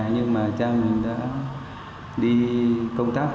nhưng mà cha mình đã đi công tác